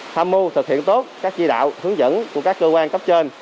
tham mưu thực hiện tốt các chỉ đạo hướng dẫn của các cơ quan cấp trên